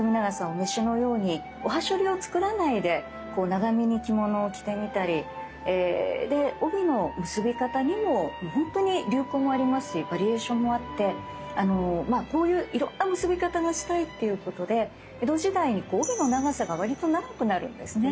お召しのようにおはしょりを作らないでこう長めに着物を着てみたり帯の結び方にもほんとに流行もありますしバリエーションもあってこういういろんな結び方がしたいっていうことで江戸時代に帯の長さがわりと長くなるんですね。